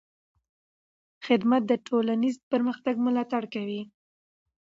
خدمت د ټولنیز پرمختګ ملاتړ کوي.